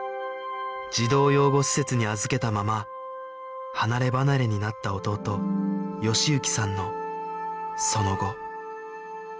児童養護施設に預けたまま離ればなれになった弟喜之さんのその後